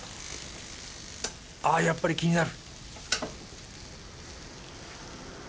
ああやっぱり気になる